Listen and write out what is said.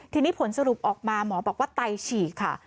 ทีนี้ผลสรุปออกมาหมอบอกว่าไตฉีกค่ะ